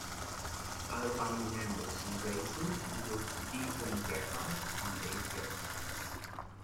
Other family members in racing include Deacon Gerhart and Dave Gerhart.